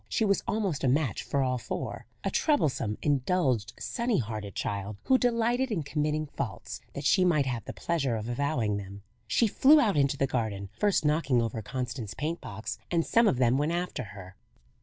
She was almost a match for all four a troublesome, indulged, sunny hearted child, who delighted in committing faults, that she might have the pleasure of avowing them. She flew out into the garden, first knocking over Constance's paint box, and some of them went after her.